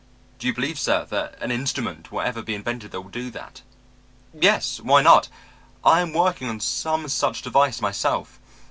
"'Do you believe, sir, that an instrument will ever be invented that will do that?' "'Yes. Why not? I am working on some such device myself.